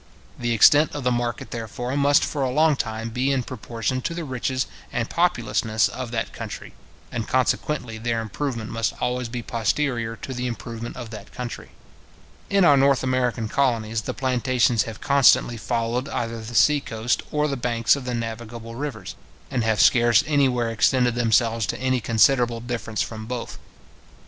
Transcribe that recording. The extent of the market, therefore, must for a long time be in proportion to the riches and populousness of that country, and consequently their improvement must always be posterior to the improvement of that country. In our North American colonies, the plantations have constantly followed either the sea coast or the banks of the navigable rivers, and have scarce anywhere extended themselves to any considerable distance from both.